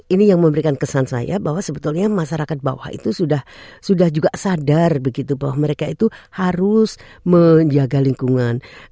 ini yang memberikan kesan saya bahwa sebetulnya masyarakat bawah itu sudah juga sadar begitu bahwa mereka itu harus menjaga lingkungan